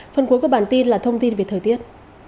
phần cuối của bản tin là thông tin về thời tiết